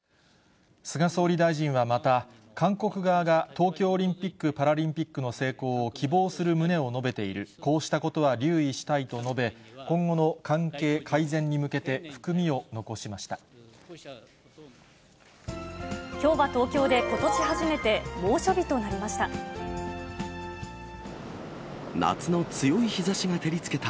菅総理大臣はまた、韓国側が東京オリンピック・パラリンピックの成功を希望する旨を述べている、こうしたことは留意したいと述べ、今後の関係改善にきょうは東京でことし初めて猛暑日となりました。